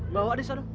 bawa dia sana